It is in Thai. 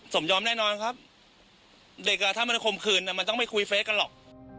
สมยอมแน่นอนครับเด็กอ่ะถ้ามันคมคืนมันต้องไม่คุยเฟสกันหรอก